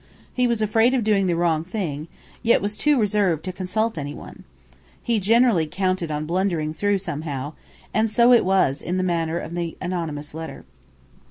He was afraid of doing the wrong thing, yet was too reserved to consult any one. He generally counted on blundering through somehow; and so it was in the matter of the anonymous letter.